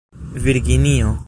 virginio